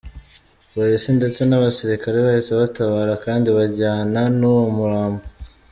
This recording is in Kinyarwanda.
Polisi ndetse n’abasirikari bahise batabara, kandi bajyana n’uwo murambo.